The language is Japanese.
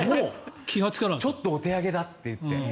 ちょっとお手上げだっていって。